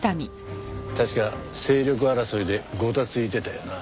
確か勢力争いでゴタついてたよな。